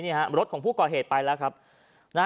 ในรถคันนึงเขาพุกอยู่ประมาณกี่โมงครับ๔๕นัท